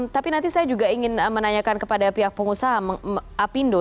tapi nanti saya juga ingin menanyakan kepada pihak pengusaha apindo